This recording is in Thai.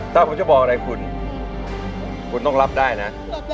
ถ้าผมจะบอกอะไรคุณคุณต้องรับได้นะ